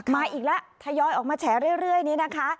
มาอีกแล้วทยอยออกมาแฉเรื่อยนี้นะคะ